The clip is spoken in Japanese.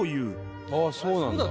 ああそうなんだ。